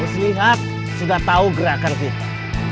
agus lihat sudah tahu gerakan kita